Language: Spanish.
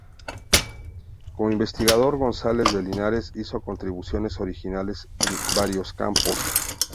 Como investigador, González de Linares hizo contribuciones originales en varios campos.